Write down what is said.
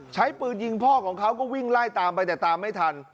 ใช้ปืนยิงพ่อของเขาก็วิ่งไล่ตามไปแต่ตามไม่ทัน